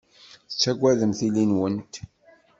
Tettagademt tili-nwent.